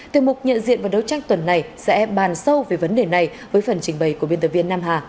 tiếp mục nhận diện và đấu tranh tuần này sẽ bàn sâu về vấn đề này với phần trình bày của biên tập viên nam hà